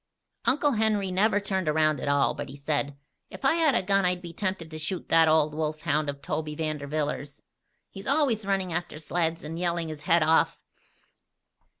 Uncle Henry never turned around at all; but he said: "If I had a gun I'd be tempted to shoot that old wolf hound of Toby Vanderwiller's. He's always running after sleds and yelling his head off."